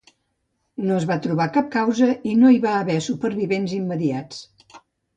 No es va trobar cap causa i no hi va haver supervivents immediats.